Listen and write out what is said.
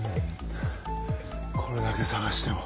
これだけ捜しても。